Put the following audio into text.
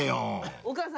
お母さん！